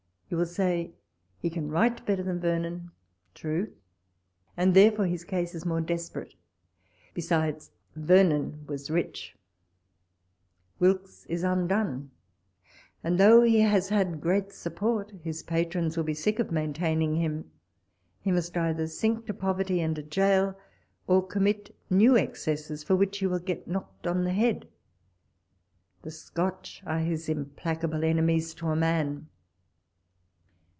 You will say, he can write better than Vernon — true ; and therefore his case is more desperate. Besides, Vernon was rich : Wilkes is undone ; and, though he has had great support, his patrons will be sick of maintaining him. He must either sink to poverty and a jail, or commit new excesses, for which he will get knocked on the head. The Scotch are his implacable enemies to a man.